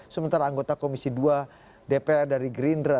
sementara anggota komisi dua dpr dari gerindra